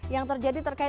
yang terjadi terkaitnya